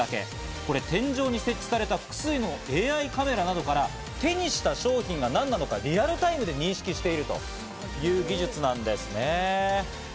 これ、天井に設置された複数のＡＩカメラなどから手にした商品が何なのか、リアルタイムで認識しているという技術なんですね。